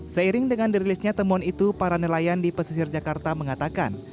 seiring dengan dirilisnya temuan itu para nelayan di pesisir jakarta mengatakan